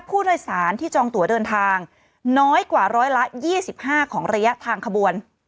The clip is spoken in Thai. ผู้โดยสารที่จองตัวเดินทางน้อยกว่าร้อยละ๒๕ของระยะทางขบวน